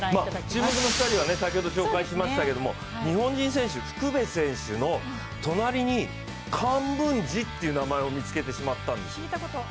注目の２人は先ほど紹介しましたけれども、日本人選手、福部選手の隣にカンブンジという名前を見つけてしまったんです。